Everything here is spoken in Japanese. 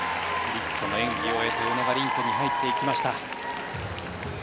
リッツォの演技を終えて宇野がリンクに入っていきました。